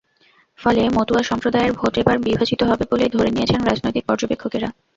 ফলে মতুয়া সম্প্রদায়ের ভোট এবার বিভাজিত হবে বলেই ধরে নিয়েছেন রাজনৈতিক পর্যবেক্ষকেরা।